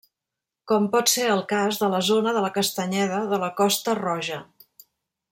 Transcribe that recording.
Com pot ser el cas de la zona de la castanyeda de la Costa Roja.